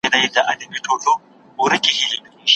څوک چي په غم کي د نورو نه وي